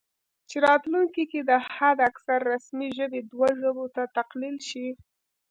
چې راتلونکي کې دې حد اکثر رسمي ژبې دوه ژبو ته تقلیل شي